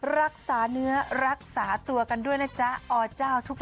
รักษาเนื้อรักษาตัวกันด้วยนะจ๊ะอเจ้า